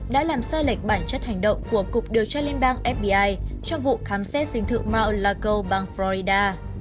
đã làm sai lệch bản chất hành động của cục điều tra liên bang fbi trong vụ khám xét sinh thự mar a lago bang florida